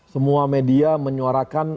semua media menyuarakan